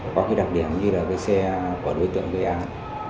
có cái đặc điểm như là cái xe của đối tượng gây án